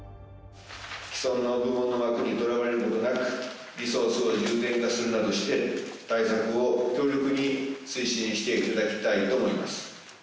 既存の部門の枠にとらわれることなく、リソースを重点化するなどして、対策を強力に推進していただきたいと思います。